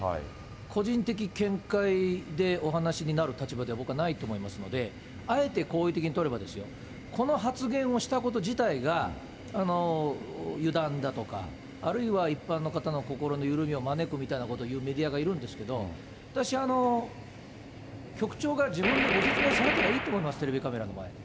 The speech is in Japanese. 個人的見解でお話になる立場では、僕はないと思いますので、あえて好意的に取れば、この発言をしたこと自体が油断だとか、あるいは一般の方の心の緩みを招くみたいなことを言うメディアがいるんですけど、私、局長が自分でご説明されたらいいと思います、テレビカメラの前で。